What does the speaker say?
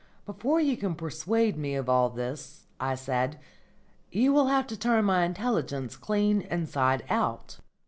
] "Before you can persuade me of all this," I said, "you will have to turn my intelligence clean inside out."